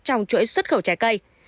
trong chuỗi xuất khẩu trái cây